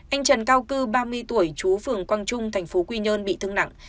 anh trần cao cư ba mươi tuổi chú phường quang trung tp quy nhơn bị thương nặng